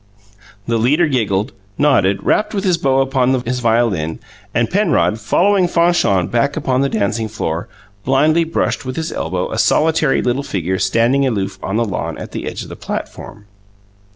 The leader giggled, nodded, rapped with his bow upon his violin; and Penrod, following Fanchon back upon the dancing floor, blindly brushed with his elbow a solitary little figure standing aloof on the lawn at the edge of the platform.